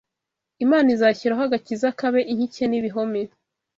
Imana izashyiraho agakiza kabe inkike n’ibihome